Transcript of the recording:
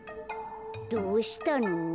どうしたの？